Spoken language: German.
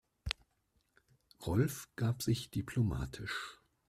Rolf gab sich diplomatisch.